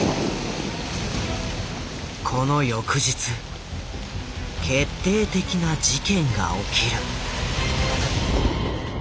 この翌日決定的な事件が起きる。